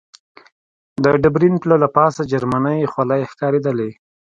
د ډبرین پله له پاسه جرمنۍ خولۍ ښکارېدلې.